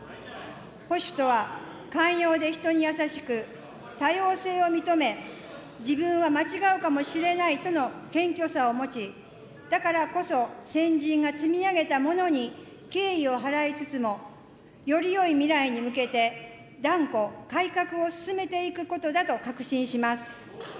保守とは、寛容で人に優しく、多様性を認め、自分は間違うかもしれないとの謙虚さを持ち、だからこそ先人が積み上げたものに敬意を払いつつも、よりよい未来に向けて、断固改革を進めていくことだと確信します。